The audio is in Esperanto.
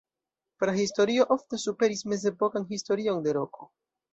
Prahistorio ofte superis mezepokan historion de Roko.